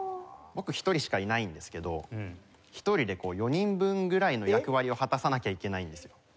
僕１人しかいないんですけど１人で４人分ぐらいの役割を果たさなきゃいけないんですよ。